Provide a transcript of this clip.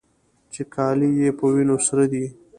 چې کالي يې په وينو سره دي.